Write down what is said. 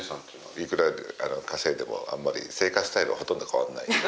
いくら稼いでもあんまり生活スタイルはほとんど変わんない。